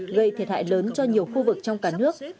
gây thiệt hại lớn cho nhiều khu vực trong cả nước